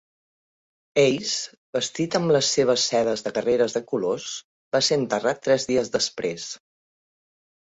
Hayes, vestit amb les seves sedes de carreres de colors, va ser enterrat tres dies després.